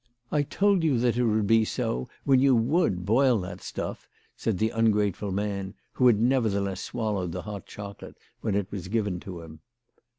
" I told you that it would be so, when you would boil that stuff," said the ungrateful man, who had nevertheless swallowed the hot chocolate when it was given to him.